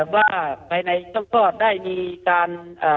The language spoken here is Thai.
ว่าภายในช่องคลอดได้มีการ